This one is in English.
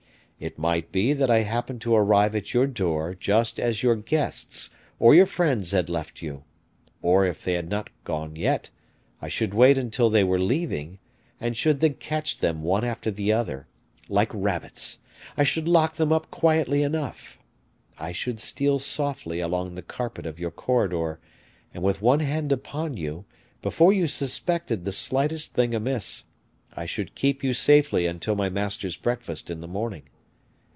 It might be that I happened to arrive at your door just as your guests or your friends had left you or, if they had not gone yet, I should wait until they were leaving, and should then catch them one after the other, like rabbits; I should lock them up quietly enough, I should steal softly along the carpet of your corridor, and with one hand upon you, before you suspected the slightest thing amiss, I should keep you safely until my master's breakfast in the morning.